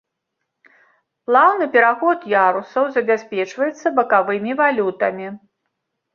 Плаўны пераход ярусаў забяспечваецца бакавымі валютамі.